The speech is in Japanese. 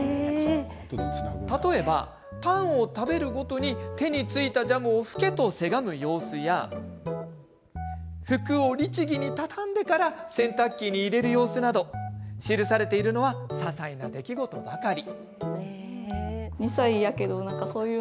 例えば、パンを食べるごとに手についたジャムを拭けとせがむ様子や服を律儀に畳んでから洗濯機に入れる様子など記されているのはささいな出来事ばかり。